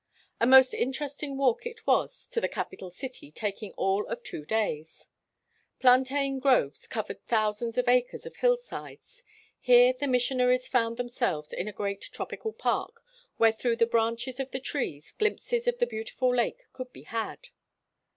A most interesting walk it was to the capital city, taking all of two days. Plan tain groves covered thousands of acres of hillsides. Here the missionaries found themselves in a great tropical park, where, through the branches of the trees, glimpses of the beautiful lake could be had.